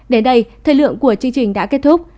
đến đây thời lượng của chương trình đã kết thúc